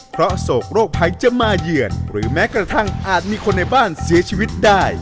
เพราะโศกโรคภัยจะมาเยือนหรือแม้กระทั่งอาจมีคนในบ้านเสียชีวิตได้